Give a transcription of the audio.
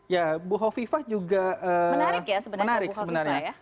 ya buho viva juga menarik sebenarnya